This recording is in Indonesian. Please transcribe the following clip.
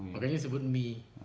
makanya disebut mie